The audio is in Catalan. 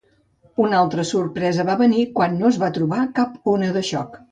Una altra sorpresa va venir quan no es va trobar cap ona de xoc.